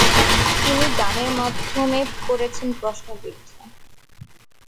তিনি তার গানের মাধ্যমে করেছেন প্রশ্নবিদ্ধ।